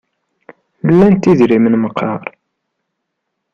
Lant idrimen meqqar?